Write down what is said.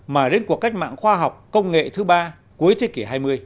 mà đến cuộc cách mạng khoa học công nghệ thứ ba cuối thế kỷ hai mươi